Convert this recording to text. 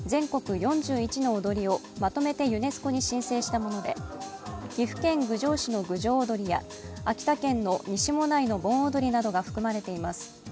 ４１の踊りをまとめてユネスコに申請したもので岐阜県郡上市の郡上踊や秋田県の西馬音内の盆踊などが含まれています。